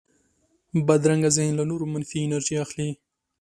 بدرنګه ذهن له نورو منفي انرژي اخلي